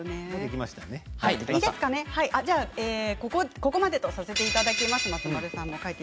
ここまでとさせていただきます。